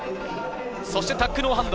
そしてタックノーハンド。